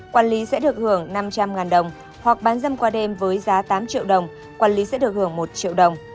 quản lý sẽ được hưởng năm trăm linh đồng hoặc bán dâm qua đêm với giá tám triệu đồng quản lý sẽ được hưởng một triệu đồng